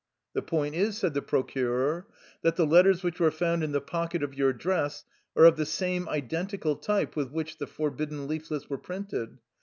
"" The point is/' said the procureur, " that the letters which were found in the pocket of your dress are of the same identical type with which the forbidden leaflets were printed.